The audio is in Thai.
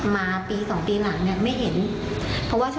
มาเนี๊ยบแบบ